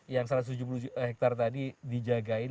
yang satu ratus tujuh puluh hektare tadi dijagain